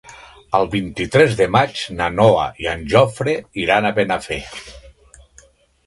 El vint-i-tres de maig na Noa i en Jofre iran a Benafer.